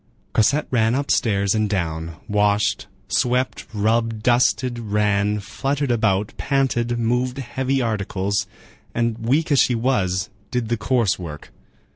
Cosette ran upstairs and down, washed, swept, rubbed, dusted, ran, fluttered about, panted, moved heavy articles, and weak as she was, did the coarse work.